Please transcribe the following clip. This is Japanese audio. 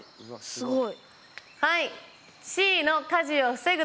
すごい！